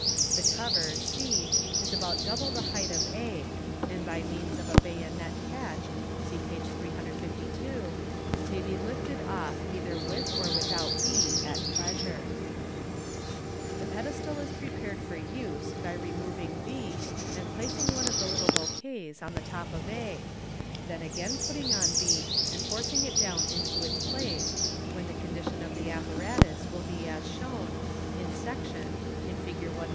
The cover, c, is about double the height of a, and by means of a bayonet catcK {see page 352) may be lifted off either with or without I at pleasure, *6 MODERN MAGIC. Fig. 199. The pedestal is prepared for use by removing b, and placing one of the little bouquets on the top of a 5 then again putting on b, and forcing it down into its place, when the condition of the apparatus will be as shown (in section) in Fig 199.